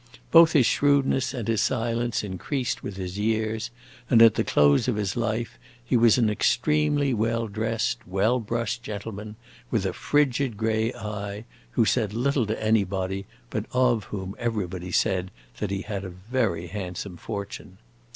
Both his shrewdness and his silence increased with his years, and at the close of his life he was an extremely well dressed, well brushed gentleman, with a frigid gray eye, who said little to anybody, but of whom everybody said that he had a very handsome fortune.